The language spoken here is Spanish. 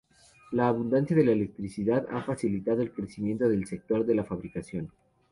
La abundancia de electricidad ha facilitado el crecimiento del sector de la fabricación.